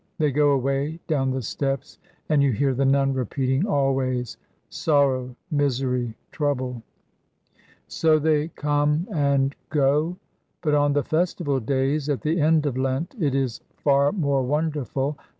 They go away down the steps, and you hear the nun repeating always, 'Sorrow, misery, trouble.' So they come and go. But on the festival days at the end of Lent it is far more wonderful.